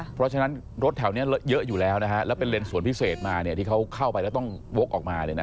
เพราะฉะนั้นรถแถวนี้เยอะอยู่แล้วนะฮะแล้วเป็นเลนสวนพิเศษมาเนี่ยที่เขาเข้าไปแล้วต้องวกออกมาเลยนะ